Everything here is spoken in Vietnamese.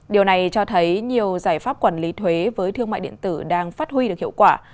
điều này cho thấy nhiều giải pháp quản lý thuế với thương mại điện tử đang phát huy được hiệu quả